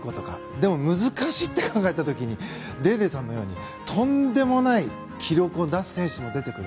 でも難しいって考えた時にデーデーさんのようにとんでもない記録を出す選手も出てくる。